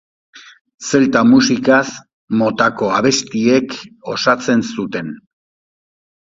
Zelta musikaz motako abestiek osatzen zuten.